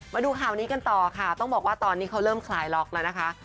มาดูข่าวนี้กันต่อค่ะต้องบอกว่าตอนนี้เขาเริ่มคลายล็อกแล้วนะคะ